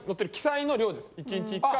１日１回。